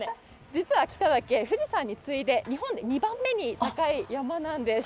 実は北岳、富士山に次いで、日本で２番目に高い山なんです。